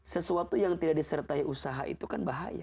sesuatu yang tidak disertai usaha itu kan bahaya